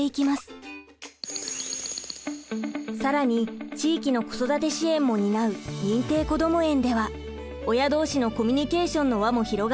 更に地域の子育て支援も担う認定こども園では親同士のコミュニケーションの輪も広がります。